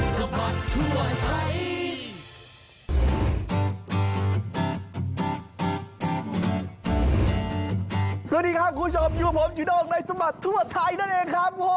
สวัสดีครับคุณผู้ชมอยู่กับผมจูด้งในสมัครทั่วไทยนั่นเองครับ